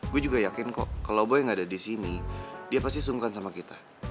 gue juga yakin kok kalau boy gak ada disini dia pasti sungkan sama kita